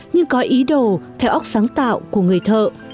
nhưng có ý đồ theo óc sáng tạo của người thợ